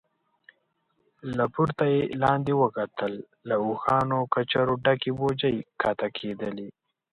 له پورته يې لاندې وکتل، له اوښانو او کچرو ډکې بوجۍ کښته کېدلې.